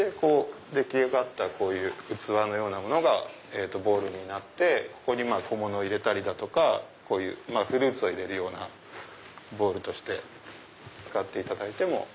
出来上がった器のようなものがボウルになってここに小物を入れたりだとかフルーツを入れるボウルとして使っていただいても。